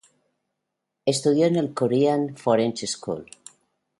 Estudió en el "Korean Foreign School".